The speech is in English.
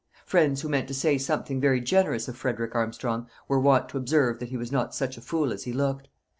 Friends who meant to say something very generous of Frederick Armstrong were wont to observe, that he was not such a fool as he looked.